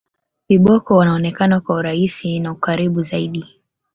viboko wanaonekana kwa urahisi na ukaribu zaidi